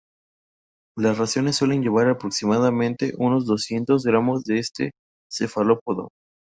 Las raciones suelen llevar aproximadamente unos doscientos gramos de este cefalópodo.